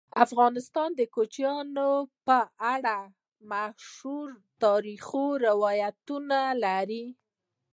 افغانستان د کوچیان په اړه مشهور تاریخی روایتونه لري.